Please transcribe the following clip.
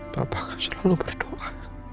bapak akan selalu berdoa